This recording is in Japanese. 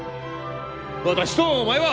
私とお前は！